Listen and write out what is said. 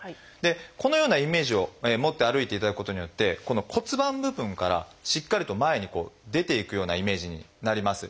このようなイメージを持って歩いていただくことによってこの骨盤部分からしっかりと前に出て行くようなイメージになります。